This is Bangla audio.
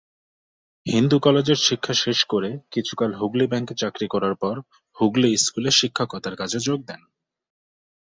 হিন্দু কলেজের শিক্ষা শেষ করে কিছুকাল হুগলী ব্যাংকে চাকরি করার পর হুগলী স্কুলে শিক্ষকতার কাজে যোগ দেন।